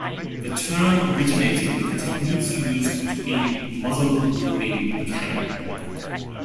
The term originated with the techniques used to aim muzzle-loading cannon.